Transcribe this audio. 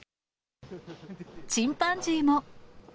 チンパンジーも。